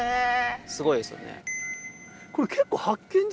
・すごいですよね・ねぇ。